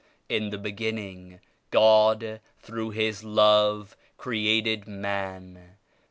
In the beginning God through His Love created man.